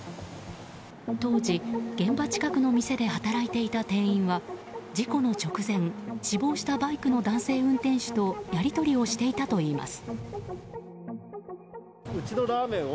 当時、現場近くの店で働いていた店員は事故の直前死亡したバイクの男性運転手とやり取りをしていたといいます。